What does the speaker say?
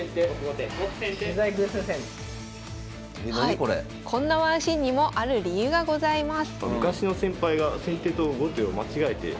こんなワンシーンにもある理由がございます。